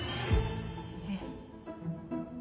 えっ？